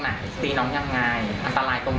แต่เขาบอกว่าเขาไม่ได้เอาสุนัข